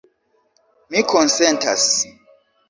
Mi konsentas.